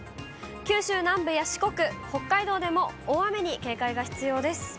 九州南部や四国、北海道でも大雨に警戒が必要です。